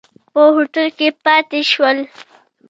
په هوټل کې پاتې شول.